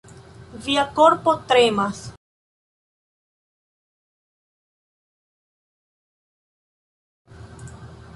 Via korpo tremas.